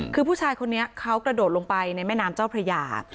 คือผู้ชายคนนี้เขากระโดดลงไปในแม่น้ำเจ้าพระยา